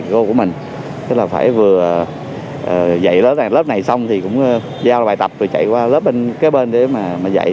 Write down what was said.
tức là phải vừa dạy lớp này xong thì cũng giao bài tập về chạy qua lớp bên kế bên để mà dạy